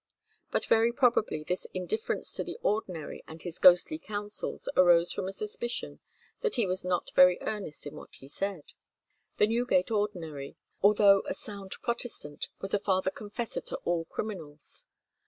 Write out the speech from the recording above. But very probably this indifference to the ordinary and his ghostly counsels arose from a suspicion that he was not very earnest in what he said. The Newgate ordinary, although a sound Protestant, was a father confessor to all criminals.